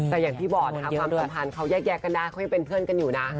แต่อย่างที่บอกนะคะความสัมพันธ์เขาแยกกันได้เขายังเป็นเพื่อนกันอยู่นะ